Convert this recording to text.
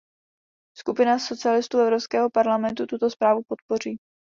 Skupina socialistů Evropského parlamentu tuto zprávu podpoří.